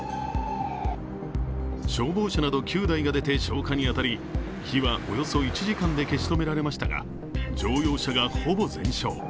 消防車など９台が出て消火に当たり火はおよそ１時間で消し止められましたが乗用車がほぼ全焼。